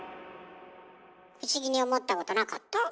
不思議に思ったことなかった？